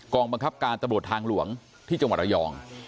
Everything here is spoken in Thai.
บังคับการตำรวจทางหลวงที่จังหวัดระยอง